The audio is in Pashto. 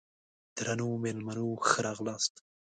درنو مېلمنو ښه راغلاست!